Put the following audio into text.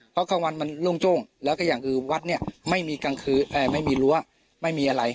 เพราะกลางวันมันโล่งโจ้งแล้วก็อย่างคือวัดเนี่ยไม่มีกลางคืนไม่มีรั้วไม่มีอะไร